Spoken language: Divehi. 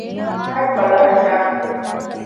ހަޓް ބަލަހައްޓާ